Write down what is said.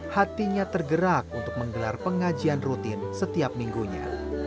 hatinya tergerak untuk menggelar pengajian rutin setiap minggunya